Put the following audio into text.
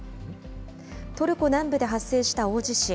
トルコ南部で発生した大地震。